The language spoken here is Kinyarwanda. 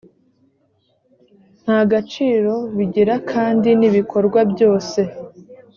nta gaciro bigira kandi n ibikorwa byose